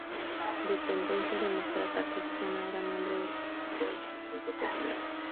De tendencia demócrata cristiana, era miembro de la Unión por un Movimiento Popular.